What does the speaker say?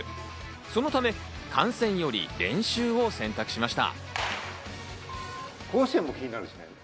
そのため、観戦より練習を選択しました。